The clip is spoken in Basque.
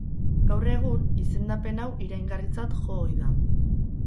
Gaur egun, izendapen hau iraingarritzat jo ohi da.